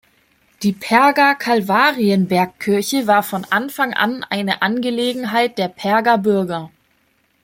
Die Perger Kalvarienbergkirche war von Anfang an eine Angelegenheit der Perger Bürger.